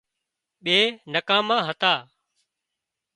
ٻي نڪاما هتا